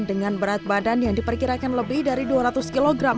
dengan berat badan yang diperkirakan lebih dari dua ratus kg